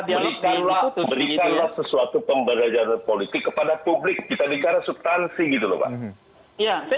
berikanlah berikanlah sesuatu pembelajaran politik kepada publik kita bicara subtansi gitu loh pak